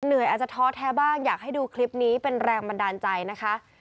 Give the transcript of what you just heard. อาจจะท้อแท้บ้างอยากให้ดูคลิปนี้เป็นแรงบันดาลใจนะคะ